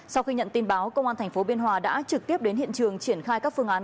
sau khi nhận tin báo công an tp biên hòa đã trực tiếp đến hiện trường triển khai các phương án